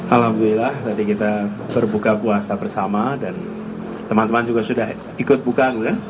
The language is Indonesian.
alhamdulillah tadi kita berbuka puasa bersama dan teman teman juga sudah ikut buka